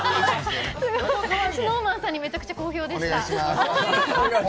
ＳｎｏｗＭａｎさんにめちゃくちゃ好評でした。